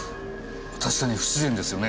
確かに不自然ですよね